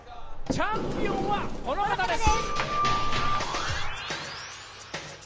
チャンピオンはこの方です。